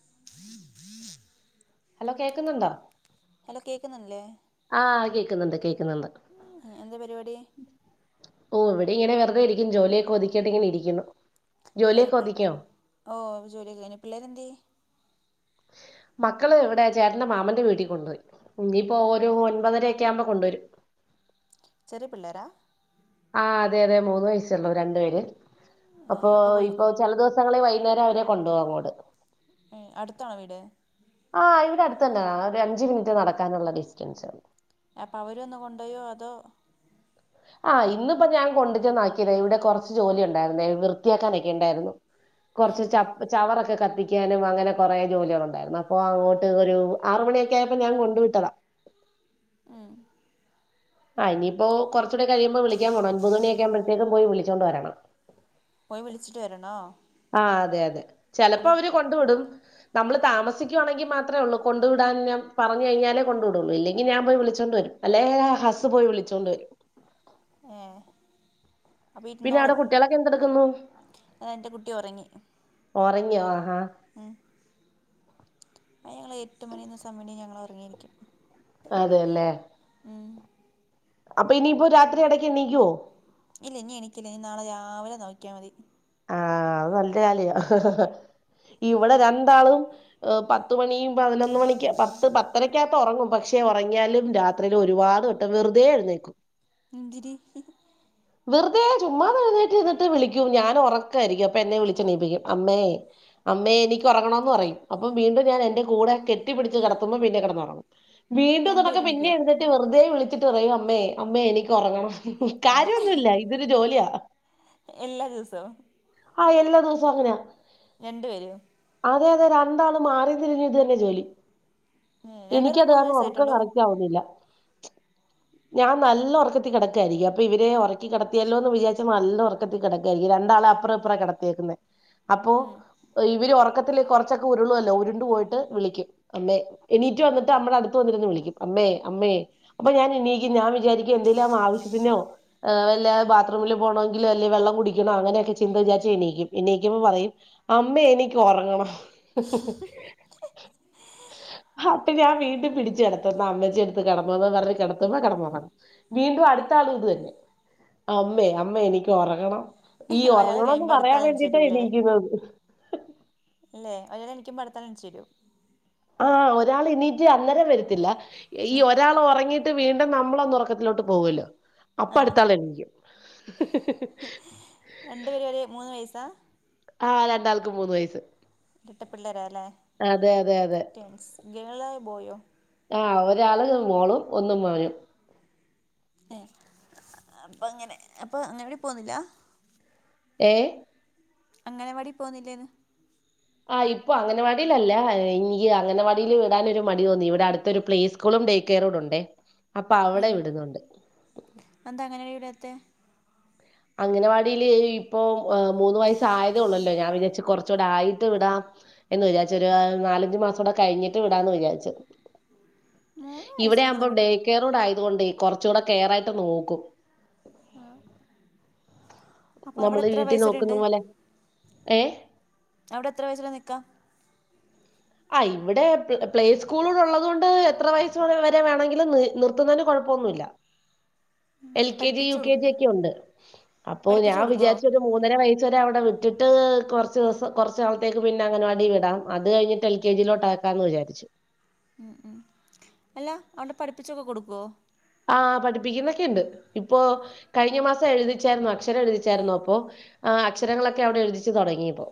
[inaudible] [unintelligible] Hello കേൾക്കുന്നുണ്ടോ hello കേൾക്കുന്നില്ലേ അഹ് കേൾക്കുന്നുണ്ട് കേൾക്കുന്നുണ്ട് എന്താ പരിപാടി ഓ ഇവിടെ ഇങ്ങനെ വെറുതെ ഇരിക്കും ജോലിയൊക്കെ ഒതുക്കിയിട്ട് ഇങ്ങനെ ഇരിക്ക്ന്ന് ഏ ഓ ജോലിയക്കെഴിഞ്ഞ് പിള്ളേരെന്ത്യേ മക്കള് ഇവിടെ ചേട്ടന്റെ മാമന്റെ വീട്ടിൽ കൊണ്ടോയി ഇനിയിപ്പൊ ഒരു ഒൻപതരൊക്കെ ആവുമ്പൊ കൊണ്ടുവരും ചെറിയ പിള്ളേരാ ആ അതെ അതെ മൂന്ന് വസ്സേള്ളൂ രണ്ടു പേര് അപ്പൊ അപ്പോൾ പോയി ഇപ്പൊ ചെല ദിവസങ്ങളിൽ വൈന്നേരം അവരെ കൊണ്ടോവോള് ഏ അടുത്താണോ വീട് ആഹ് ഇവിടെ അടുത്ത് ന്നാ ഒരു അഞ്ചു മിനിറ്റ് നടക്കാനുള്ള ഡിസ്റ്റൻസേള്ളൂ അപ്പൊ അവര് വന്ന് കൊണ്ടോയോ അതൊ ആഹ് ഇന്നിപ്പൊ ഞാൻ കൊണ്ട്ചെന്ന് ആക്കിയതാ ഇവിടെ കൊറച്ച് ജോലിണ്ടായിരുന്നേ വൃത്തിയാക്കാനൊക്കെ ഉണ്ടായിരുന്നു ഉം, കൊറച്ച് ച ചവറൊക്കെ കത്തിക്കാനും അങ്ങനെ കുറെ ജോലികളുണ്ടായിരുന്നു അപ്പൊ അങ്ങോട്ട് ഒരു ആറു മണിയൊക്കെ ആയപ്പോ ഞാൻ കൊണ്ടു വിട്ടതാ ഉം ആ ഇനിയിപ്പോ കുറച്ചുകൂടി കഴിയുമ്പൊ വിളിക്കാൻ പോണം ഒമ്പത് മണിയൊക്കെ ആകുമ്പോയത്തേക്കും പോയി വിളിച്ചോണ്ട് വരണം പോയി വിളിച്ചിട്ട് വരണോ ആ അതെ അതെ ചെലപ്പൊ അപ്പോൾ അവര് കൊണ്ട് വിടും നമ്മള് താമസിക്കുവാണെങ്കിൽ മാത്രേ ഒള്ളൂ കൊണ്ടു വിടാന് ഞാൻ പറഞ് കഴിഞ്ഞാലെ കൊണ്ട് വിടൊള്ളൂ ഇല്ലെങ്കിൽ ഞാൻ പോയി വിളിച്ചോണ്ട് വരും അല്ലേ ഹസ് പോയി വിളിച്ചോണ്ട് വരും ഏഹ് അപ്പൊ പിന്നെ ഇരുന്നോളും അവിടെ കുട്ടികളൊക്കെ എന്തെടുക്കുന്നു ഏ എന്റെ കുട്ടി ഒറങ്ങി ഉറങ്ങിയോ ആഹാ ഏഹ് അത് ഞങ്ങൾ എട്ട് മണി എന്ന സമയണ്ടെങ്കിൽ ഞങ്ങൾ ഒ റങ്ങിയിരിക്കും അതെ യല്ലേ അപ്പൊ ഇനിയിപ്പോ രാത്രി ഇടയ്ക്ക് എണ്ണീക്കുവൊ ഇല്ല ഇനി എണീക്കില്ല ഇനി നാളെ രാവിലെ നോക്കിയാൽ മതി ആഹ അത് നല്ലൊരു കാര്യാ ഇവിടെ രണ്ടാളും പത്ത്മണിയും പതിനൊന്ന് മണിക്ക് പത്ത് പത്തരക്കകത്ത് ഒറങ്ങും പക്ഷെ ഉറങ്ങിയാലും രാത്രിയില് ഒരുപാട് വട്ടം വെറുതെ എഴുന്നേക്കും എന്തിന് വെറുതെ ചുമ്മാതെഴുന്നേറ്റ് നിന്നിട്ട് വിളിക്കും ഞാൻ ഉറക്കായിരിക്കും അപ്പൊ എന്നെ വിളിച്ചെണീപ്പിക്കും അമ്മേ അമ്മേ എനിക്ക്‌ ഉറങ്ങണംന്ന് പറയും അപ്പം വീണ്ടും ഞാൻ എന്റെ കൂടെ കെട്ടി പിടിച്ച് കിടത്തുമ്പോ പിന്നെ കിടന്നൊറ ങ്ങും വീണ്ടും ഇത്കണക്ക് രണ്ടുപേരും പിന്നെ എണീക്കുമോ എഴുന്നേറ്റ് വെറുതെ വിളിച്ചിട്ട് പറയും അമ്മേ അമ്മേ എനിക്ക് ഉറങ്ങണം ഏ കാര്യോന്നുഇല്ല ഇതൊരു ജോലിയാ എല്ലാ ദിവസവും ആഹ എല്ലാ ദിവസവും അങ്ങനെയ രണ്ട് പേരും അതെ അതെ രണ്ടാളും മാറി തിരിഞ്ഞും ഇത് തന്നെ ജോലി ഉം രണ്ട് പേർക്കും എനിക്കത് മൂന്ന് കാരണം ഉറക്കം വയസ്സായിട്ടുള്ളൂ കറക്റ്റ് ആവുന്നില്ല ഞാൻ നല്ല ഉറക്കത്തി കിടക്കായിരിക്കും അപ്പൊ ഇവരെ ഉറക്കി കിടത്തിയല്ലോ എന്ന് വിചാരിച്ചു നല്ല ഉറക്കത്തിൽ കിടക്ക ക്കും രണ്ടാളും അപ്പറും ഇപ്പറുംആ കിടത്തിയേക്കുന്നത് അപ്പൊ ഉം ഇവർ ഉറക്കത്തില് കുറച്ചൊക്കെ ഉരുളോല്ല ഉരുണ്ട് പോയിട്ട് വിളിക്കും അമ്മേ എണീറ്റ് വന്നിട്ട് നമ്മളെ അടുത്ത് വന്നിരുന്ന് വിളിക്കും അമ്മേ അമ്മേ അപ്പൊ ഞാൻ എണീക്കും ഞാൻ വിചാരിക്കും എന്തേലും ആവശ്യത്തിനോ വല്ല ബാത്രൂമില് പോണമെങ്കിലൊ അല്ലെ വെള്ളം കുടി ക്കണോ അങ്ങനെയൊക്കെ ചിന്ത വിചാച്ച് എണീക്കും എണീക്കുമ്പോ പറയും അമ്മേ എനിക്ക് ഉറങ്ങണം അപ്പ ഞാൻ വീണ്ടും പിടിച്ച്കിടത്തുംന്നാ അമ്മന്റെ എടുത്ത് കെടന്നൊന്ന് പറഞ് കിടത്തുമ്പോ കിടന്നുറങ്ങും വീണ്ടും അടുത്താളും ഇത് തന്നെ അമ്മേ അമ്മേ എനിക്ക് ഒറങ്ങണം ഈ ഒരാള് ഒറങ്ങണന്ന് കഴിയുമ്പോ അടുത്ത പറയാൻ ആള് എണീച്ച് വേണ്ടിട്ടാ എണീക്കുന്നത് ല്ലേ ഒരാൾ എനിക്കുമ്പോ അടുത്താൾ എണീച്ച് വരും ആഹ് ഒരാൾ എണീറ്റ് അന്നേരം വരത്തില്ല ഈ ഉം ഒരാൾ ഒറങ്ങിയിട്ട് വീണ്ടും ഒ നമ്മളൊന്ന് ഒറക്കത്തിലോട്ട് പോകല്ലോ അപ്പൊ ആഹ് അടുത്താൾ എണീക്കും രണ്ടുപേരും ഒരേ മൂന്ന് വയസ്സാ ആഹ് രണ്ടാൾക്കും മൂന്ന് വയസ്സ് ഇരട്ട പിള്ളേരാല്ലേ അതെ അതെ അതെ ഗേൾസ് ഗേളോ ബോയോ ആഹ് ഒരാള് മോളും ഒന്നും മോനും ഏ അപ്പ അങ്ങനെ അപ്പൊ അംഗണവാടീ പോവുന്നില്ല ഏഹ് അംഗണവാടി പോകുന്നില്ലേന്ന് ആഹ് ഇപ്പൊ അങ്ങനവാടിൽ അല്ല ഇനിക്ക് അങ്ങനവാടിയിൽ വിടാനൊരു മടി തോന്നി ഇവിടെ അടുത്തൊരു പ്ലേസ് സ്കൂളും ഡേക്കേറും കൂടെ ഉണ്ടേ അപ്പൊ അവടെ ഉം വിടുന്നുണ്ട് എന്താ അങ്ങനെ വിടാത്തെ അംഗനവാടില് ഇപ്പൊ മൂന്ന് വയസ്സായതേ ഒള്ളല്ലോ ഞാൻ വിചാര്ച്ച് കുറച്ചുകൂടെ ആയിട്ട് വിടാം എന്ന് വിചാരിച്ച് ഒരു നാലഞ്ചു മാസകുടെ കഴിഞ്ഞിട്ട് വിടാ എന്ന് വിചാരിച്ചു മൂന്ന് ഇവിടെയാവുമ്പോ വയസ്സിനൊക്കെന്ന് വിട് ഡേ കെയറോടെ ആയത് കൊണ്ടേ കുറച്ച് കൂടെ കെയറായിട്ട് നോക്കും ആഹ് നമ്മള് വീട്ടി നോക്കുന്ന പോലെ ഏ അവിടെ എത്ര വയസ്സിലാ നിക്ക ആഹ് ഇവിടെ പ്ലേ സ്കൂളൂടെ ഉള്ളത് കൊണ്ട് എത്ര വയസ്സ് വരെ വേണമെങ്കിലും നി നിർത്തുന്നതിന് കൊഴപ്പൊന്നുല്ല എൽ കെ ജി പഠിപ്പിച്ചു യു കൊടു കെ ജി ഒക്കെ ഉണ്ട് അപ്പോ പഠിപ്പിച്ചു ഞാൻ കൊടുക്കുവോ വിചാരിച്ചൊരു മൂന്നര വയസ്സ് വരെ അവിടെ വിട്ടിട്ട് കുറച്ച് ദിവസം കൊറച്ച് നാളത്തേക്ക് പിന്നെ അംഗണവാടി വിടാം അത് കഴിഞ്ഞിട്ട് എൽ കെ ജി ലോട്ടാക്കാന്ന് വിചാരിച്ചു ഉം ഉം അല്ല അവ്ടെ പഠിപ്പിച്ചൊക്കെ കൊടുക്കോ ആഹ് പഠിപ്പിക്കുന്നൊക്കെ ഉണ്ട് ഇപ്പോ കഴിഞ്ഞ മാസം എഴുതിച്ചായിരുന്നു അക്ഷരം എഴുതിച്ചായിരുന്ന അപ്പോ ആഹ് അക്ഷരങ്ങളൊക്കെ അവിടെ എഴുതിച്ചു തുടങ്ങിയിപ്പോ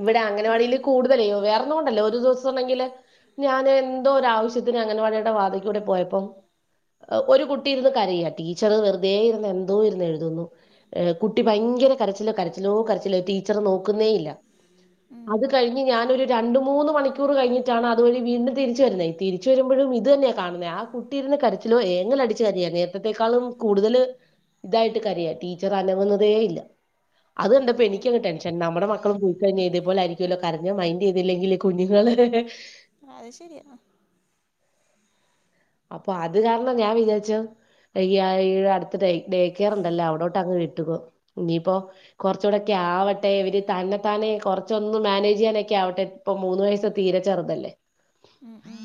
ഇവിടെ പിന്നെ അംഗനവാടിയില് കൂടുതലേ വേറൊന്നും കൊണ്ടല്ല ഒരു ദിവസം ഉണ്ടെങ്കില് ഞാന് എന്തോ ഒരു ആവശ്യത്തിന് അംഗൻവാടിയുടെ വാതിക്കൂടെ പോയപ്പോ ഒരു കുട്ടി ഇര്ന്ന് കരയ ടീച്ചറ് വെറുതെ ഇരുന്ന് എന്തോ ഒന്ന് എഴുതുന്നു കുട്ടി ഭയങ്കര കരച്ചില് കരച്ചിലോ കരച്ചിലോ ടീച്ചർ നോക്കുന്നേ ഇല്ല ഉം അത് കഴിഞ്ഞ് ഞാനൊരു രണ്ട് മൂന്ന് മണിക്കൂർ കഴിഞ്ഞിട്ടാണ് അതുവഴി വീണ്ടും തിരിച്ചുവരുന്നത് തിരി വരുമ്പോഴും ഇത് തന്നെയാ കാണുന്നത് ആഹ് കുട്ടി ഇരുന്ന് കരച്ചിലോ ഏങ്ങലടിച്ചു കരയ നേർത്തത്തേക്കാളും കൂടുതൽ ഇതായിട്ട് കരയ ടീച്ചർ അനങ്ങുന്നതേ ഇല്ല അത് കണ്ടപ്പോ ഏഹ് എനിക്കങ് ടെൻഷൻ നമ്മുടെ മക്കളും പോയി തന്നെ ഇത് പോലെ ആയിരിക്കുമല്ലോ കരഞ്ഞ മയിന്റ് ചെയ്തില്ലെങ്കില് കുഞ്ഞുങ്ങള് അത് ശെരിയ അപ്പൊ അത് കാരണം ഞാൻ വിചാരിച്ചു ഈ അടുത്ത് ഡേക്കെയറുണ്ടല്ലോ അവിടോട്ട് അങ്ങ് വിട്ടുകോ ഇനിയിപ്പോ കൊറച്ചൂടൊക്കെ ആവട്ടെ ഇവര് തന്നെ താനെ കുറച്ചൊന്ന് മാനേജ് ചെയ്യാനൊക്കെ ആവട്ടെ ഇപ്പം മൂന്ന് വയസ്സ് തീരെ ചെറുതല്ലേ ഉം ഉം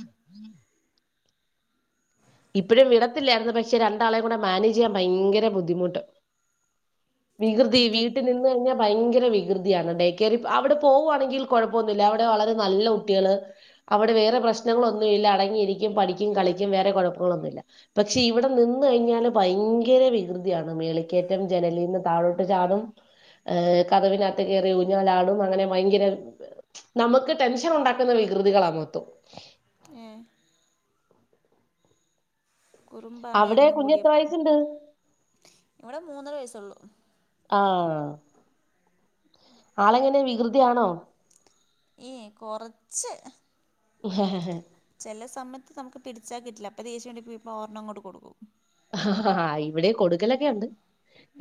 ഇപ്പോഴും വിടത്തില്ലായിരുന്നു പക്ഷെ രണ്ടാളെയും കൂടെ മാനേജ് ചെയ്യാൻ ഭയങ്കര ബുദ്ധിമുട്ട് വികൃതി കുരുത്ത വീട്ടി നി ന്ന് കഴിഞ്ഞാൽ ഭയങ്കര വികൃതിയാണ് ഡേക്കെയറിൽ അവിടെ പോവാണെങ്കിൽ കുഴപ്പൊന്നുല്ല അവിടെ വളരെ നല്ല കുട്ടികള് അവിടെ വേറെ പ്രശ്നങ്ങളൊന്നുല്ല അടങ്ങിയിരിക്കും പഠിക്കും കളിക്കും വേറെ കുഴപ്പങ്ങളൊന്നുല്ല പക്ഷെ ഇവിടെ നിന്ന് കഴിഞ്ഞാല് ഭയങ്കര വികൃതിയാണ് മേളിക്കേറ്റം ജനലീന്ന് താഴോട്ട് ചാടും ഏ് കഥവിനകത്ത് കയറി ഊഞ്ഞാലാടും അങ്ങനെ ഭയങ്കര നമുക്ക് ടെൻഷൻ ഉണ്ടാക്കുന്ന വികൃതികളാ മൊത്തം ഏഹ് കുറുമ്പാണ് അവിടെ രണ്ടും കുഞ്ഞെത്ര കൂടിയപ്പൊ വയസ്സുണ്ട് ഇവിടെ മൂന്നര വയസ്സുള്ളു ആ ആളെങ്ങനെ വികൃതിയാണോ ഏ കുറച്ച് [unintelligible] ചില സമയത്ത് നമുക്ക് പിടിച്ചാക്കിട്ടില്ല അപ്പ [unintelligible] ഓരെണ്ണം അങ്ങോട്ട കൊടുക്കും ് ഇവിടെ കൊടുക്കലൊക്കെ ഉണ്ട്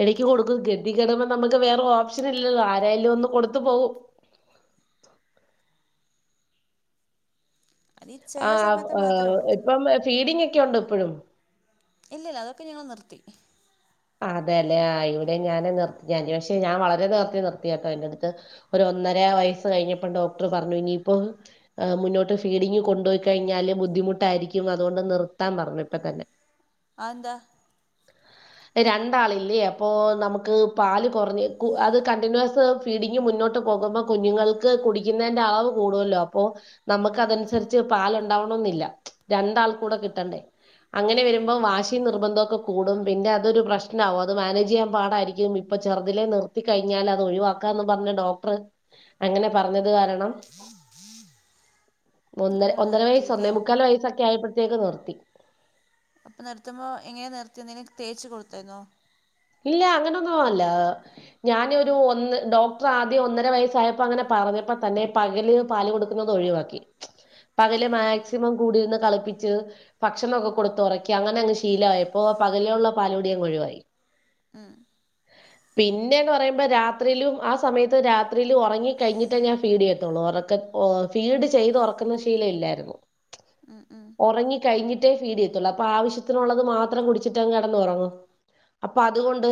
ഇടയ്ക്ക് കൊടുക്കും ഗതി കിടുമ്പോ നമുക്ക് വേറെ ഓപ്ഷൻ ഇല്ലല്ലോ ആരായാലും ഒന്ന് കൊടുത്തു പോകും അത് ഈ ആ ചെല സമയത്ത് മാത്രേ ഉള്ളൂ ഇപ്പം ഫീഡിംഗ ഒക്കെ ഉണ്ട് ഇപ്പഴും ഇല്ലല്ല അതൊക്കെ ഞങ്ങൾ നിർത്തി അതെ അല്ലേ ഇവിടെ ഞാനൻ നിർത്തി പക്ഷെ ഞാൻ വളരെ നേർത്തി നിർത്തിയ കേട്ടോ എൻന്റെറ അടുത്ത് ഒ ഒന്നര വയസ്സ് കഴിഞ്ഞപ്പോ ഡോക്ടർ പറഞ്ഞു ഇനിയിപ്പോൊ മുന്നോട്ട് ഫീഡിങ്് കൊണ്ട പോയി കഴിഞ്ഞാല് ബുദ്ധിമുട്ടായിരിക്കും അതുകൊണ്ട് നിർത്താൻ പറഞ്ഞു ഇപ്പ തന്നെ ആഎന്താ രണ്ടാളില്ലേ അപ്പോൾ നമുക്ക് പാല് കുറഞ്ഞ് അത് കണ്ടിന്യൂസ് ഫീഡിംഗ്മുന്നോട്ട് പോകുമ്പോ കുഞ്ഞുങ്ങൾക്ക് കുടിക്കുന്നതിന്റെ അളവ് കൂടല്ലോ അപ്പൊ നമുക്ക് അതനുസരിച്ച് പാലുണ്ടാവണെന്നില്ല രണ്ടാൾ കൂടെ കിട്ടണ്ടേ അങ്ങനെ വരുമ്പോം വാശി നിർബന്ധം ഒക്കെ കൂടും പിന്നെ രു പ്രശ്നമാവും അത് മാനേജ് ചെയ്യാൻ പാടായിരിക്കും ഇപ്പൊ ചെറുതിലെ നിർത്തി കഴിഞ്ഞാൽ അത് ഒഴിവാക്കാന്ന് പറഞ്ഞ ഡോക്ടർ അങ്ങനെ പറഞ്ഞത് കാരണം ഒന്ന് അങ്ങനെ ഒന്നര വയസ്സ് നിർത്തില്ലേ ഒന്നേ മുക്കാാലല് വയസ്സൊക്കെ ആയപ്പോഴത്തേക്ക് നിർത്തി അപ്പൊ നിർത്തുമ്പോൾ എങ്ങനെയെ നിർത്തിയ എന്തെങ്കും തേച്ച് കൊടുത്തായിരുന്നോ ഇല്ല അങ്ങനൊന്നും അല്ല ഞാനൊ ഒരു ഒന്ന് ഡോക്ടർ ആദ്യം ഒന്നര വയസ്സായപ്പോ അങ്ങനെ പറഞ്ഞപ്പോ തന്നെ പകല് പാ കൊടുക്കുന്നത് ഒഴിവാക്കും പകല് മാക്സിമം കൂടിരുന്ന് കളിപ്പിച്ച് ഭക്ഷണം ഒക്കെ കൊടുത്ത് ഉറക്കി അങ്ങനെ അങ് ശീലമായി ഇപ്പോൊ പകലേുള്ളള്ള പാലൂടി യങ്ങ്ഒഴിവായി ആ ഉ പിന്നേന്ന് പറയുമ്പോ രാത്രിയിലും ആ സമയത്ത് രാത്യിലും ഉറങ്ങി കഴിഞ്ഞിട്ടേ ഞാൻ ഫീഡ് ചെയത്തുള്ളൂ ഉറക്കെ ഓ ഫീഡ് ചെയ്ത് ഉറക്കുന്ന ശീലം ഇല്ലായിരുന്നു ഉറങ്ങി കഴിഞ്ഞിട്ടേ ഫീഡ് ചെയ്ത്തുള്ളൂ അപ്പൊ ആവശ്യത്തിനുള്ളത് മാത്രം കുടിച്ചിട്ട്ങ് കടന്ന് ഉറങ്ങും അപ്പ അതുകൊണ്ട്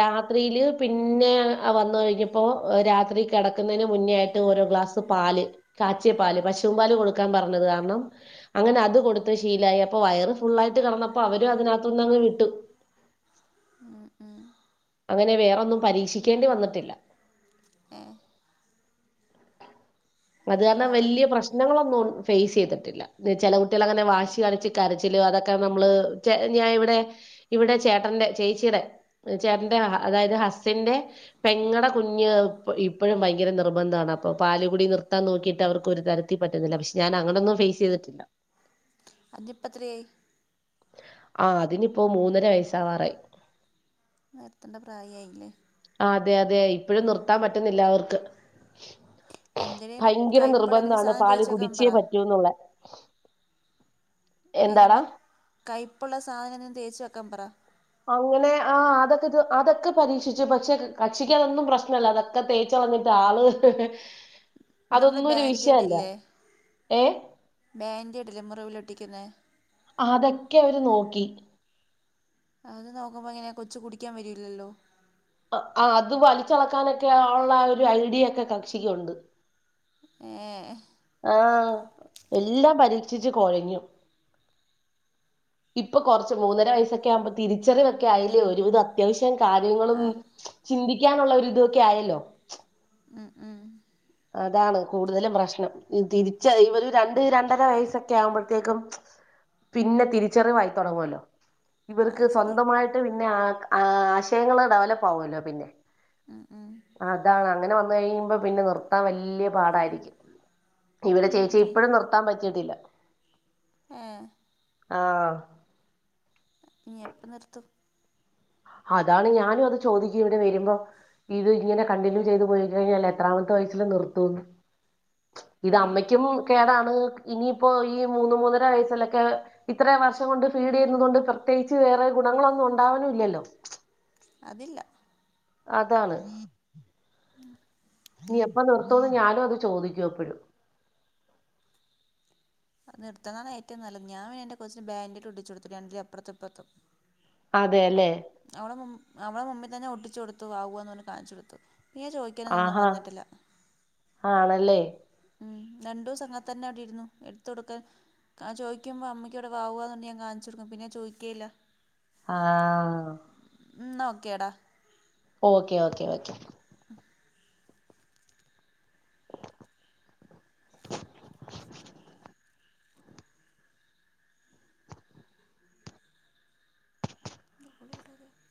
രാത്രിയില് പിന്നെ വന്ന കഴിഞ്ഞപ്പോ രാത്രി കിടക്കുന്നതിന് മുന്നോയിട്ട് ഓരോ ഗ്ലാസ് പാല് കാച്ചിയ പാല് പശുവും പാല് കൊടുക്കാൻ പറഞ്ഞത് കാരണം അങ്ങനെ അത് കൊടുത്ത് ശീലായി അപ്പൊ വയറ് ഫുള്ളായിട്ട് കിടന്നപ്പോ അവരും അതിനകത്ത്നിന്ന്ങ്ങ് വിട്ടു ഉം ഉം അങ്ങനെ വേറൊന്നും പരീക്ഷിക്കേണ്ടി വന്നിട്ടില്ല ഏഹ് അത് കാരണംവലിയ കൊണ്ടോവാറൊക്കെ പ്രശ്നം പ്രശ്നങ്ങളൊന്നും ഫേസ് ചെയ്തിട്ടില്ല ചില കുട്ടികള അങ്ങനെ വാശി കണിച്ച് കരച്ചിലോ അതൊക്കെ നമ്മള് ച ഞാൻ ഇവിടെ ഇവിടെ ചേട്ടന്റെ ചേച്ചിയടെ ചേട്ടന്റെ അതായത് ഹസ്സന്റെ പെങ്ങടെ കുഞ്ഞ് ഇപ്പോഴും ഭയങ്കര നിർബന്ധമാണ് അപ്പൊ പാലുകുടി നിർ ത്താ നോക്കിട്ട വർക്കൊരു തരത്തി പറ്റുന്നില്ല പക്ഷ ഞൻ അങ്ങനൊന്നും ഫേസ് ചെയ്തിട്ടില്ല അതിപ്പത്രയ ആ അതിനിപ്പോ മൂന്നര വയസ്സാവാറ നേരത്തണ്ട പ്രായയില്ലേ ആ അതെ അതെ ഇപ്പഴും നിർത്താൻ പറ്റുന്നില്ലാവർക്ക് എന്തേലും ഭയങ്കര കൈപ്പട എന്തെങ്കിലും നിർബന്ധമാണ് സാധനം പാല് തേച്ച് വെക്കാൻ കുടിച്ചേ പറ പറ്റൂ എന്നുള്ള ഈ എന്താടാ നമ്മളെ കയ്പ്പുള്ള സാധനം തേച്ച് വെക്കാ പറ അങ്ങനെ ആ അതൊക്കെ ഇത് അതൊക്കെ പരീക്ഷിച്ച് പക്ഷേ കക്ഷിക്ക് അതൊന്നും പ്രശ്നല്ല അത ഒക്കെ തേച്ച വഞ്ഞിട്ട് ആള് നമ്മുടെ അതൊന്നും ഒരു വിഷയല്ല ഏ ബെന്റ ഇടല മുറിവിലൊട്ടിക്കുന്നെ. അതക്കെ അവര് നോക്കി അത് നോക്കുമ്പയെ കൊച് കുടിക്കാൻ വരില്ലല്ലോ ആ അത് വലിച്ചളക്കാനൊക്കെ ഉള്ള ഒരു ഐഡിയ ഒക്കെ കക്ഷിക്കണ്ട് ഏഹ്‌. ആഹ എല്ലാം പരീക്ഷിച്ച് കൊഴഞ്ഞു ഇപ്പൊ കുറച്ച് മൂന്നര വയസ്സൊക്കെ ആകുമ്പോ തിരിച്ചറിയൊക്കെ ആയില്യോ ഒരു വിത ത്യാവശ്യം കാര്യങ്ങളും ആ ചിന്തിക്കാനുള്ള ഒരിതൊക്കെ ആയല്ലോ മ് മ് അതാണ് കൂടുതലും പ്രശ്നം തിരിച്ച ഇവര് രണ്ട് രണ്ടര വയസ്സൊക്കെ ആവുമ്പോഴത്തേക്കും പിന്നെ തിരിച്ചറിവായി തുടങ്ങുവല്ലോ ഇവർക്ക് അത് ശരിയാ സ്വന്തമായിട്ട് പിന്നെ ആ ആശയങ്ങൾ ഡെവലപ്പാവുല്ലോ പിന്നെ മ് മ് അതാണ് അങ്ങനെ വന്ന് കഴിയുമ്പോ പിന്നെ നിർത്താൻ വലിയ പാടായിരിക്കും ഇവരെ ചേച്ചി ഉം. ഇപ്പഴും നിർത്താൻ പറ്റിയിട്ടില്ല ഏഹ്‌. ആഹ്‌. ഇനിയെപ്പം നിർത്തും അതാണ് ഞാനു അത് ചോദിക്കും ഇവിടെ വരുമ്പോ ഇത് ഇങ്ങനെ കണ്ടിന്യൂ ചെയ്ത് പോയി കഴിഞ്ഞാൽ എത്രാമത്തെ വയസ്സിൽ നിർത്തൂന്ന് ഇത് അമ്മയ്ക്കും കേടാണ് ഇനിയിപ്പോ ഈ മൂന്ന് മൂന്നര വയസ്സിലൊക്കെ ഇത്ര വർഷം കൊണ്ട് ഫീഡ് ചെയ്യുന്നുന്നത് കൊണ്ട് പ്രത്യേകിച്ച് വേറെ ഗുണങ്ങളൊന്നും ഉണ്ടാവാനുല്ലല്ലോ അതില്ല അതാണ് ഇനി എപ്പം നിർത്തോന്ന് ഞാനും അത് ചോദിക്കെപ്പഴും നിർത്തതാണ് ഏറ്റവും നല്ലത് ഞാൻ ന്റെ കൊച്ചന് ബാൻന്റേടൊട്ടിച്ചു കൊടുത്തു രണ്ടില് അപ്പർത്തും ഇപ്പർത്തും അതെല്ലെ അവളെ മു അവളെ മുമ്പിൽ തന്നെ ഒട്ടിച്ചു കൊടുത്തു വാവു ആണ് പറഞ്ഞ് കാണിച്ചു കൊടുത്ത് പിന്നെ ചോദിക്കാനന്നൊന്നും ആഹാ വന്നിട്ടില്ല ആണല്ലേ മ് രണ്ടുസം അങ്ങത്തന്നെന്നാടിരുന്നു എടുത്തൊടുക്ക് ക്കാ ചോയിക്കുമ്പം അമ്മയ്ക്കിവിടെ വാവുവിന്ന് പറഞ്ഞ് ഞാൻ കാണിച്ചു കൊടുക്കും പിന്നെ ചോദിക്കേയില്ല ആഹ്‌. ന്നാ ഓക്കെടാ ഓക്കേ ഓക്കേ ഓക്കേ [inaudible]